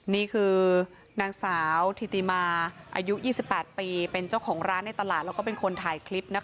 นี่คือนางสาวธิติมาอายุ๒๘ปีเป็นเจ้าของร้านในตลาดแล้วก็เป็นคนถ่ายคลิปนะคะ